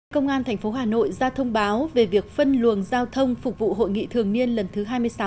công an tp hà nội ra thông báo về việc phân luồng giao thông phục vụ hội nghị thường niên lần thứ hai mươi sáu